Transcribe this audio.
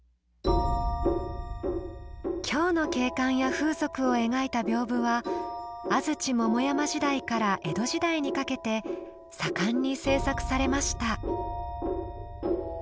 京の景観や風俗を描いた屏風は安土桃山時代から江戸時代にかけて盛んに制作されました。